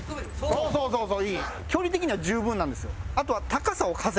そうそうそうそう！